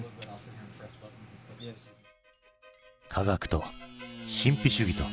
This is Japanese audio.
科学と神秘主義と。